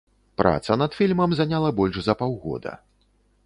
Праца над фільмам заняла больш за паўгода.